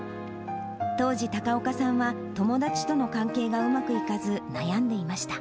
当時、高岡さんは友達との関係がうまくいかず、悩んでいました。